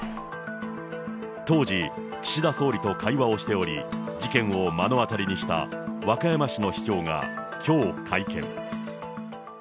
当時、岸田総理と会話をしており、事件を目の当たりにした和歌山市の市長がきょう会見。